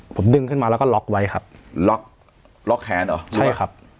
ผมดึงขึ้นมาแล้วก็ล็อกไว้ครับล็อกล็อกแขนเหรอใช่ครับ